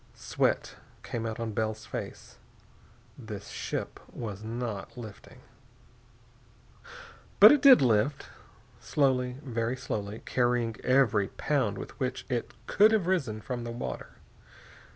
Sweat came out on Bell's face. The ship was not lifting.... But it did lift. Slowly, very slowly, carrying every pound with which it could have risen from the water.